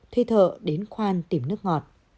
thuê thợ đến khoan tìm nước ngọt